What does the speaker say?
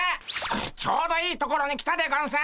ちょうどいいところに来たでゴンス！